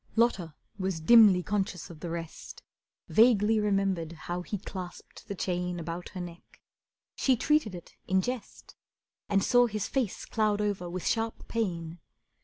Lotta was dimly conscious of the rest, Vaguely remembered how he clasped the chain About her neck. She treated it in jest, And saw his face cloud over with sharp pain.